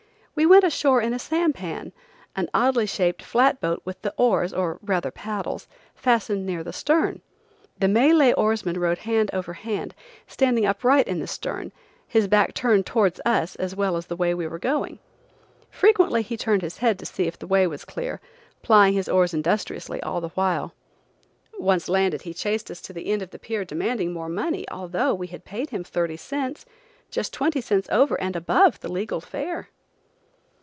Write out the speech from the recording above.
We went ashore in a Sampan, an oddly shaped flat boat with the oars, or rather paddles, fastened near the stern. The Malay oarsman rowed hand over hand, standing upright in the stern, his back turned towards us as well as the way we were going. Frequently he turned his head to see if the way was clear, plying his oars industriously all the while. Once landed he chased us to the end of the pier demanding more money, although we had paid him thirty cents, just twenty cents over and above the legal fare.